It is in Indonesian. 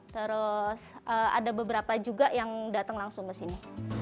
terus ada beberapa juga yang datang langsung kesini